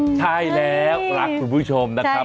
ใช่แล้วรักคุณผู้ชมนะครับ